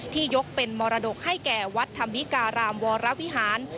ยกเป็นมรดกให้แก่วัดธรรมวิการามวรวิหาร